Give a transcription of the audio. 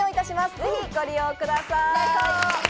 ぜひご覧ください。